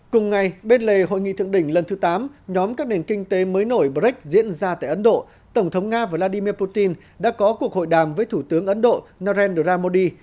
cùng ngày bên lề hội nghị thượng đỉnh lần thứ tám nhóm các nền kinh tế mới nổi brech diễn ra tại ấn độ tổng thống nga vladimir putin đã có cuộc hội đàm với thủ tướng ấn độ narendra modi